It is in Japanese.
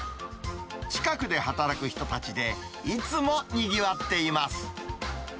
近くで働く人たちで、いつもにぎわっています。